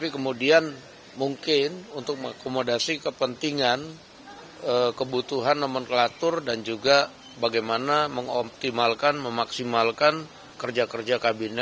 ketika diperlukan apakah akan diperlukan